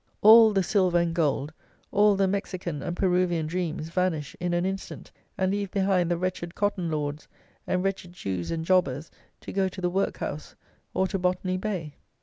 All the silver and gold, all the Mexican and Peruvian dreams vanish in an instant, and leave behind the wretched Cotton Lords and wretched Jews and Jobbers to go to the workhouse, or to Botany Bay.